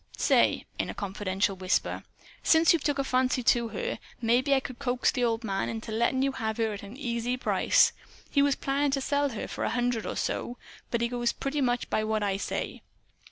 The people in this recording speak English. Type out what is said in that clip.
Say," in a confidential whisper, "since you've took a fancy for her, maybe I could coax the old man into lettin' you have her at an easy price. He was plannin' to sell her for a hundred or so. But he goes pretty much by what I say.